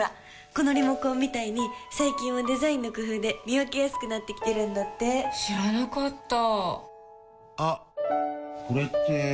このリモコンみたいに最近はデザインの工夫で見分けやすくなってきてるんだって知らなかったあっ、これって・・・